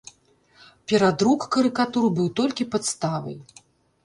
Перадрук карыкатур быў толькі падставай.